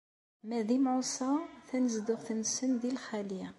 Ma d imɛuṣa, tanezduɣt-nsen di lxali.